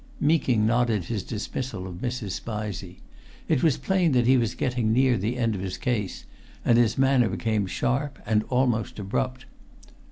Meeking nodded his dismissal of Mrs. Spizey. It was plain that he was getting near the end of his case and his manner became sharp and almost abrupt.